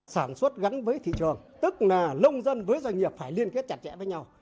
sản xuất gắn với thị trường tức là lông dân với doanh nghiệp phải liên kết chặt chẽ với nhau